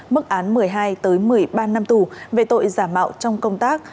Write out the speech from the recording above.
mức án một mươi hai một mươi ba năm tù về tội giả mạo trong công tác